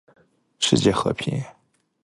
世界和平